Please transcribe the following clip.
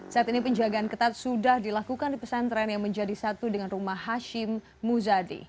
saat ini penjagaan ketat sudah dilakukan di pesantren yang menjadi satu dengan rumah hashim muzadi